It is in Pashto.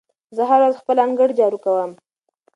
زه هره ورځ خپل انګړ جارو کوم.